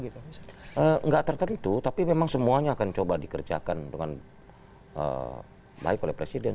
tidak tertentu tapi memang semuanya akan coba dikerjakan dengan baik oleh presiden